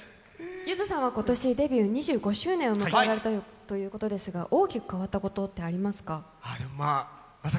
ゆずさんは今年デビュー２５周年を迎えられたということですが、大きく変わったことってありますか？